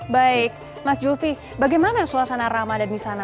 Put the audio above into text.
baik mas zulfi bagaimana suasana rama dan misana